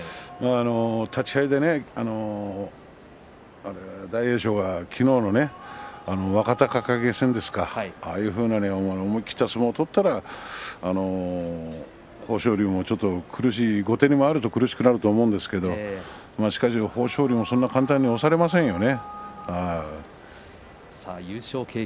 立ち合いで大栄翔は昨日の若隆景戦ですかああいう思い切った相撲を取ったら豊昇龍もちょっと苦しい後手に回ると苦しくなると思うんですけれど豊昇龍もそんなに簡単に押されませんよね。